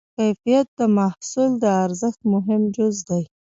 کیفیت د محصول د ارزښت مهم جز دی.